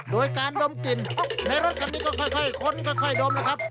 โดยการดมกลิ่นในรถคันนี้ก็ค่อยค้นค่อยดมแล้วครับ